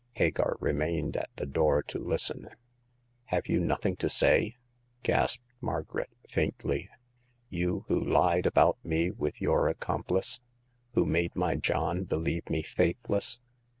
Hagar remained at the door to listen. Have you nothing to say ?" gasped Margaret, faintly — you who lied about me with your ac complice — who made my John believe me faith less